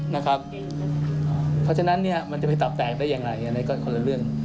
เพราะฉะนั้นมันจะไปตับแตกได้ยังไงก็คนละเรื่อง